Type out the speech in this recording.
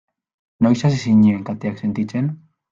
Noiz hasi zinen kateak sentitzen?